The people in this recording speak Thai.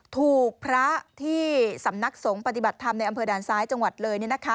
ถูกพระที่สำนักสงฆ์ปฏิบัติธรรมในอำเภอด่านซ้ายจังหวัดเลย